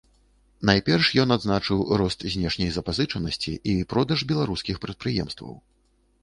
Найперш ён адзначыў рост знешняй запазычанасці і продаж беларускіх прадпрыемстваў.